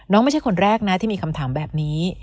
ไม่ใช่คนแรกนะที่มีคำถามแบบนี้